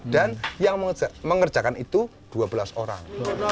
dan yang mengerjakan itu dua belas orang